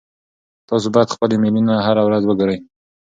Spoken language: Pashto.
تاسو باید خپل ایمیلونه هره ورځ وګورئ.